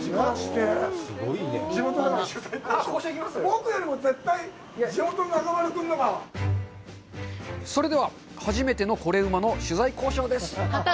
僕よりも絶対、地元の中丸君のほうが。それでは、初めての「コレうま」の取材交渉です。